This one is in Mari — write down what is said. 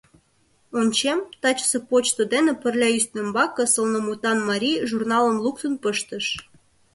Ончем, тачысе почто дене пырля ӱстембаке сылнымутан марий журналым луктын пыштыш.